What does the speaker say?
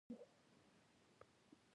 آیا ملچ کول اوبه ساتي؟